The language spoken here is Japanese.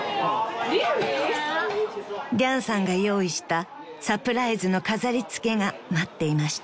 ［リャンさんが用意したサプライズの飾り付けが待っていました］